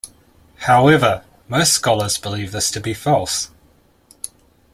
However, most scholars believe this to be false.